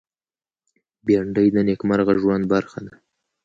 بېنډۍ د نېکمرغه ژوند برخه ده